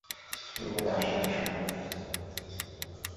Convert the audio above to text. ধ্রুব তাহার সঙ্গিনীর সহিত পুনরায় শান্তি স্থাপন করিয়া খেলা করিতেছিল।